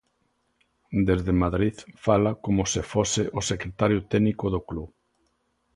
Desde Madrid fala como se fose o secretario técnico do club.